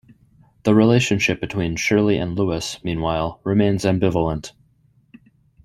The relationship between Shirley and Louis, meanwhile, remains ambivalent.